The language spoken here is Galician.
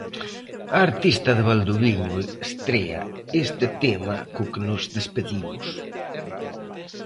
A artista de Valdoviño estrea este tema co que nos despedimos.